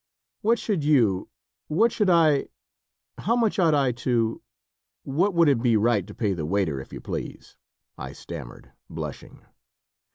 "What should you what should I how much ought I to what would it be right to pay the waiter, if you please?" I stammered, blushing.